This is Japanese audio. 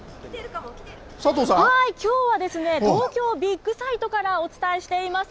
きょうはですね、東京ビックサイトからお伝えしています。